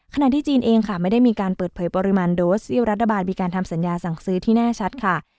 ที่จีนเองค่ะไม่ได้มีการเปิดเผยปริมาณโดสที่รัฐบาลมีการทำสัญญาสั่งซื้อที่แน่ชัดค่ะ